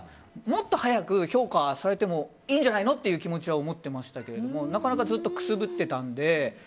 もっと早く評価されてもいいんじゃないのって気持ちは持ってましたけどなかなか、ずっとくすぶっていたので。